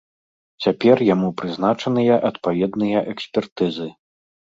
Цяпер яму прызначаныя адпаведныя экспертызы.